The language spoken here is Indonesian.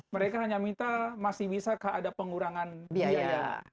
mereka hanya minta masih bisa keadaan pengurangan biaya